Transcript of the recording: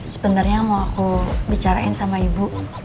sebenernya mau aku bicara sama ibu